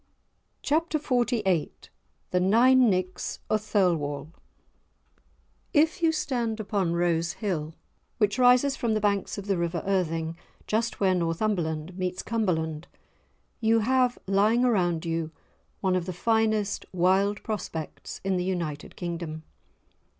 *Chapter XLVIII* *The Nine Nicks o' Thirlwall* If you stand upon Rose Hill, which rises from the banks of the river Irthing just where Northumberland meets Cumberland, you have lying around you one of the finest wild prospects in the United Kingdom.